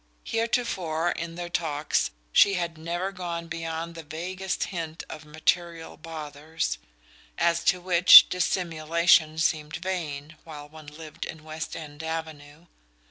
Heretofore, in their talks, she had never gone beyond the vaguest hint of material "bothers" as to which dissimulation seemed vain while one lived in West End Avenue!